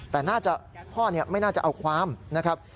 แต่น่าจะพ่อไม่น่าจะเอาความนะครับ